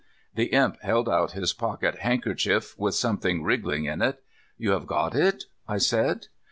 The Imp held out his pocket handkerchief with something wriggling in it. "You have got it?" I said.